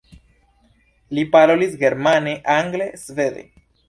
Li parolis germane, angle, svede.